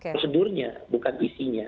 prosedurnya bukan isinya